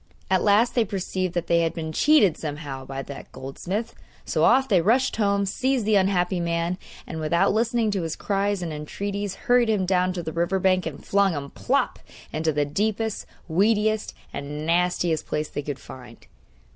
At last they perceived that they had been cheated somehow by that goldsmith. So off they rushed home, seized the unhappy man, and, without listening to his cries and entreaties, hurried him down to the river bank and flung him plop! into the deepest, weediest, and nastiest place they could find.